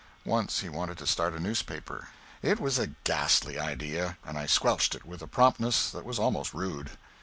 Once he wanted to start a newspaper. It was a ghastly idea, and I squelched it with a promptness that was almost rude.